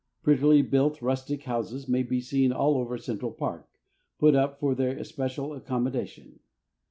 Prettily built rustic houses may be seen all over Central Park, put up for their especial accommodation.